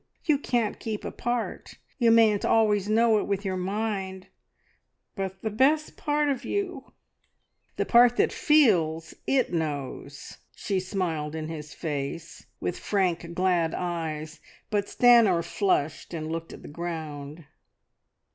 You can't keep apart. You mayn't always know it with your mind, but the best part of you, the part that feels, it knows!" She smiled in his face with frank, glad eyes, but Stanor flushed and looked at the ground.